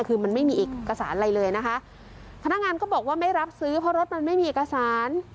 คือมันไม่มีเอกสารอะไรเลยนะคะพนักงานก็บอกว่าไม่รับซื้อเพราะรถมันไม่มีเอกสาร